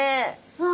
わあ！